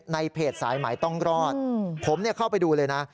ในเพจสายหมายต้องรอดผมเข้าไปดูเลยนะ